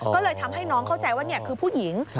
ก็เลยทำให้น้องเข้าใจว่านี่คือผู้หญิง